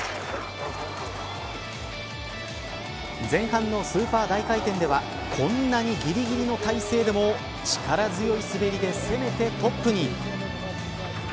前半のスーパー大回転ではこんなにぎりぎりの体勢でも力強い滑りで攻めてトップに。